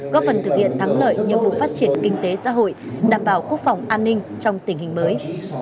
góp phần thực hiện thắng lợi nhiệm vụ phát triển kinh tế xã hội đảm bảo quốc phòng an ninh trong tình hình mới